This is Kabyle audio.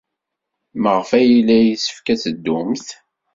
Maɣef ay yella yessefk ad teddumt?